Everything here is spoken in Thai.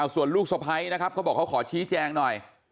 ส่วนลูกสะพ้ายนะครับเขาบอกเขาขอชี้แจงหน่อย